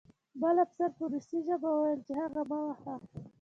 بل افسر په روسي ژبه وویل چې هغه مه وهه